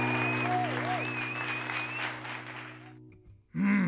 うん！